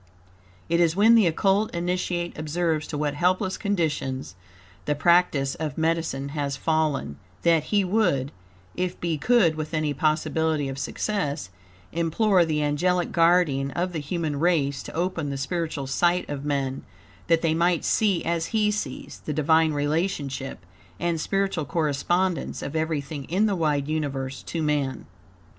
It is when the Occult Initiate observes to what helpless conditions the practice of medicine has fallen, that, he would, if be could with any possibility of success, implore the angelic guardian of the human race to open the spiritual sight of men, that they might see, as he sees, the Divine relationship, and spiritual correspondence, of everything in the wide universe to man.